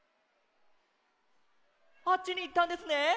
あっちにいったんですね？